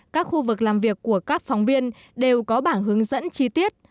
các khu vực làm việc của các phóng viên đều có bảng hướng dẫn chi tiết